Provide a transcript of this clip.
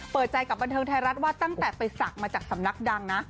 เปิดใจกับบันเทิงไทยรัฐว่าตั้งแต่ไปศักดิ์มาจากสำนักดังนะ